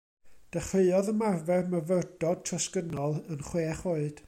Dechreuodd ymarfer Myfyrdod Trosgynnol yn chwech oed.